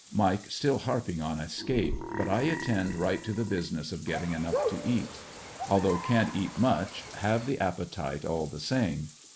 Mike still harping on escape, but I attend right to the business of getting enough to eat. Although can't eat much have the appetite all the same.